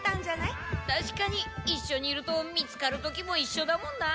確かにいっしょにいると見つかる時もいっしょだもんな。